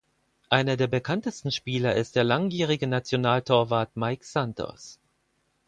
Einer der bekanntesten Spieler ist der langjährige Nationaltorwart Maik Santos.